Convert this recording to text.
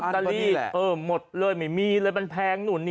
อ๋อตัลลี่หมดเลยไม่มีเลยมันแพงนู่น